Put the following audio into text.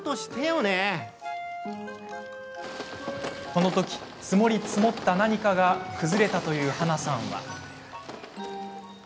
この時、積もり積もった何かが崩れたという、はなさん。